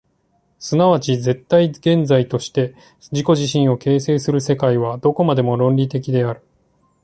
即ち絶対現在として自己自身を形成する世界は、どこまでも論理的である。